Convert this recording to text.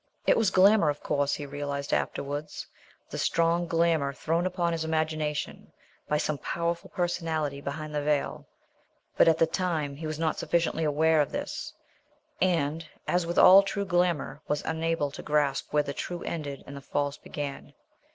It was glamour, of course, he realized afterwards, the strong glamour thrown upon his imagination by some powerful personality behind the veil; but at the time he was not sufficiently aware of this and, as with all true glamour, was unable to grasp where the true ended and the false began.